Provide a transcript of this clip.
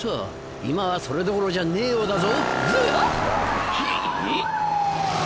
今はそれどころじゃねえようだぞ。